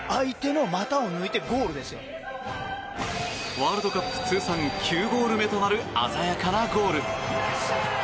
ワールドカップ通算９ゴール目となる鮮やかなゴール。